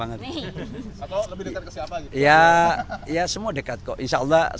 atau lebih dekat ke siapa